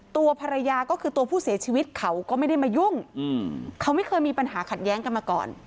ตัวภรรยาก็คือตัวผู้เสียชีวิตเขาก็ไม่ได้มายุ่งเขาไม่เคยมีปัญหาขัดแย้งกันมาก่อน